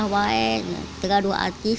tidak ada artis